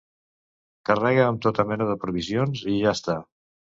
Carrega amb tota mena de provisions i ja està.